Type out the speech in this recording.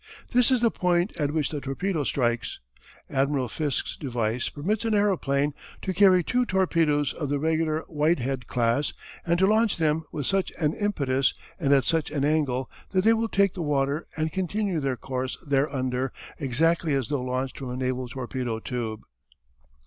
This is the point at which the torpedo strikes. Admiral Fiske's device permits an airplane to carry two torpedoes of the regular Whitehead class and to launch them with such an impetus and at such an angle that they will take the water and continue their course thereunder exactly as though launched from a naval torpedo tube.